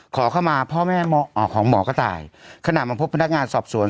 ขอเข้ามาพ่อแม่ของหมอกระต่ายขณะมาพบพนักงานสอบสวน